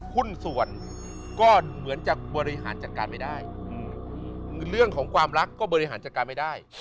หุ้นส่วนก็เหมือนจะบริหารจัดการไม่ได้เรื่องของความรักก็บริหารจัดการไม่ได้